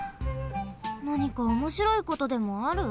なにかおもしろいことでもある？